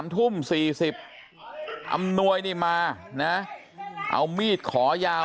๓ทุ่ม๔๐บาทอำนวยมาเอามีดขอยาว